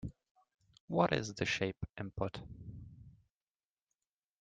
What is the shape input?